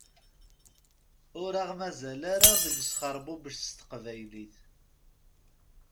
Ur aɣ-mazal ara deg wesxerbubec s teqbaylit.